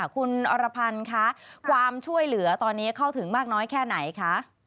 คุณอรพันธ์คะความช่วยเหลือตอนนี้เข้าถึงมากน้อยแค่ไหนคะ